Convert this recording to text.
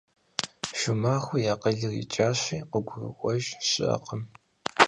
Шумахуэ и акъылым икӀащи, къыгурыӀуэж щыӀэкъым.